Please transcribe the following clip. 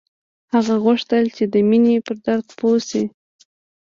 هغه غوښتل چې د مینې پر درد پوه شي